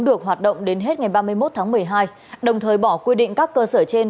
được hoạt động đến hết ngày ba mươi một tháng một mươi hai đồng thời bỏ quy định các cơ sở trên